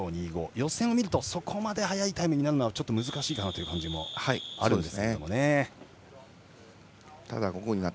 予選を見るとそこまで速いタイムになるのは難しいかなという感じもあります。